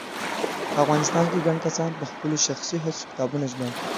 په افغانستان کې ګڼ کسان په خپلو شخصي هڅو کتابونه ژباړي